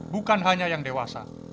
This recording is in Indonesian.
bukan hanya yang dewasa